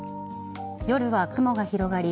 夜は雲が広がり